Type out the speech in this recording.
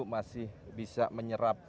masih bisa menyerap